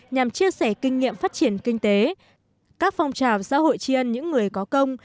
nhằm chia sẻ kinh nghiệm phát triển kinh tế các phong trào xã hội tri ân những người có công